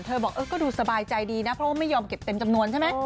บอกเออก็ดูสบายใจดีนะเพราะว่าไม่ยอมเก็บเต็มจำนวนใช่ไหม